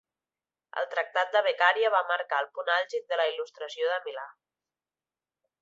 El tractat de Beccaria va marcar el punt àlgid de la Il·lustració de Milà.